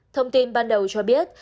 thông tin ban đầu cho biết